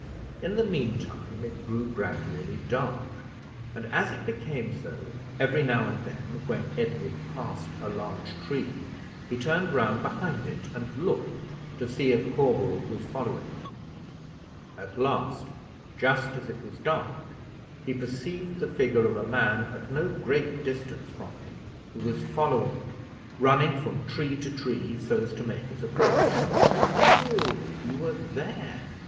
In the mean time it grew gradually dark; and as it became so, every now and then when Edward passed a large tree, he turned round behind it and looked to see if Corbould was following him. At last, just as it was dark, he perceived the figure of a man at no great distance from him, who was following him, running from tree to tree, so as to make his approach. "Oh, you are there!"